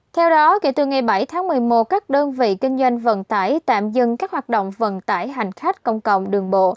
theo đó kể từ ngày bảy tháng một mươi một các đơn vị kinh doanh vận tải tạm dừng các hoạt động vận tải hành khách công cộng đường bộ